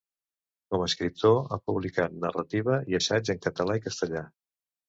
Com a escriptor, ha publicat narrativa i assaig en català i castellà.